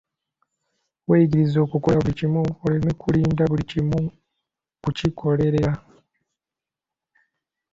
Weeyigirize okukola buli kimu, oleme kulinda buli kimu kukikolera.